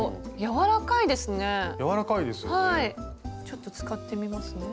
ちょっと使ってみますね。